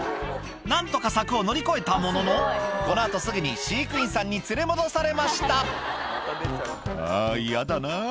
何とか柵を乗り越えたもののこの後すぐに飼育員さんに連れ戻されました「あぁヤダな」